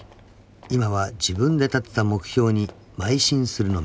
今は自分で立てた目標にまい進するのみ］